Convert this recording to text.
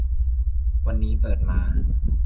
วันนี้เปิดมา